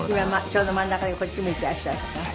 ちょうど真ん中でこっち向いてらっしゃる。